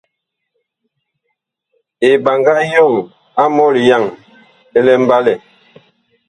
Eɓaŋga yɔɔ a mɔlyaŋ ɛ mbalɛ.